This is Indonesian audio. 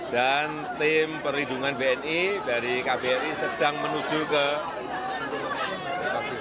dan tim perlindungan bni dari kbri sedang menuju ke lokasi